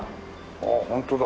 ああホントだ。